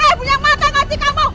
eh punya mata gak sih kamu